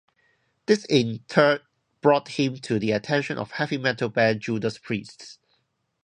This in turn brought him to the attention of heavy metal band Judas Priest.